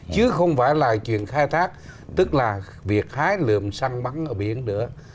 chứ không phải là chuyện khai thác tức là việc hái lượm săn bắn ở biển nữa